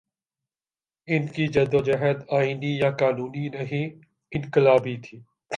ان کی جد وجہد آئینی یا قانونی نہیں، انقلابی تھی۔